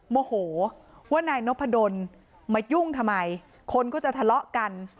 โมโหว่านายนพดลมายุ่งทำไมคนก็จะทะเลาะกัน